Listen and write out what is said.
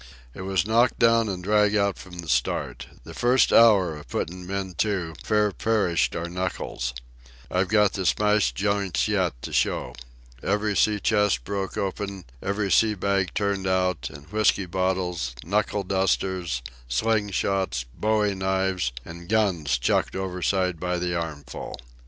"It was knock down and drag out from the start. The first hour of puttin' the men to fair perished our knuckles. I've got the smashed joints yet to show. Every sea chest broke open, every sea bag turned out, and whiskey bottles, knuckle dusters, sling shots, bowie knives, an' guns chucked overside by the armful.